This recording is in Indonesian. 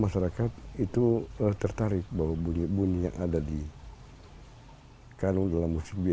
masyarakat itu tertarik bahwa bunyi bunyi yang ada di kanun dalam musik biaya